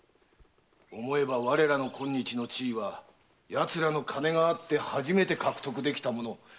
思えば我らの今日の地位は奴らの金があって初めて獲得できたもの。